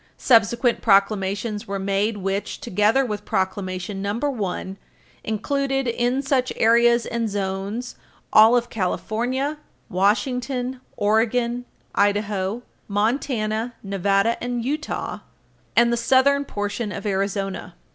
Subsequent proclamations were made which, together with Proclamation No. 1, included in such areas and zones all of California, Washington, Oregon, Idaho, Montana, Nevada and Utah, and the southern portion of Arizona.